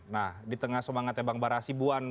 nah di tengah semangatnya bang bara sibuan